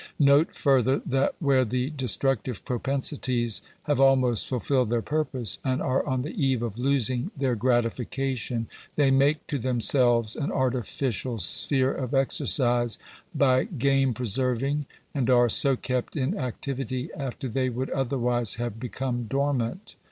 Note, further, that where the destructive propensities have almost fulfilled their purpose, and are on the eve of losing their gratification, they make to themselves an artificial sphere of exercise by game preserving, and are so kept in activity after they would otherwise have become dormant.